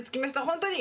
本当に！